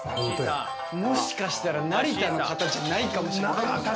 もしかしたら成田の方じゃないかもしれない。